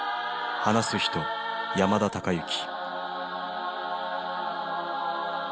話す人山田孝之。